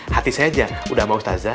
hati saya aja udah sama ustazah